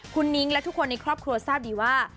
คุณนิ้งและทุกคนในครอบครัวทราบดีว่า